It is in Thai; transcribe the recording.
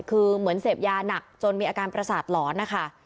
คือเหมือนเสพยาหนักจนมีอาการประสาทหลอนนะคะ